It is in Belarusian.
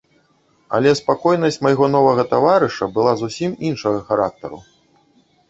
Але спакойнасць майго новага таварыша была зусім іншага характару.